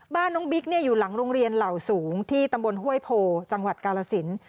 บ้านน้องบิ๊กอยู่หลังโรงเรียนเหล่าสูงที่ตำบลห้วยโพจังหวัดกาลสิน